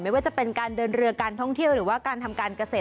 ว่าจะเป็นการเดินเรือการท่องเที่ยวหรือว่าการทำการเกษตร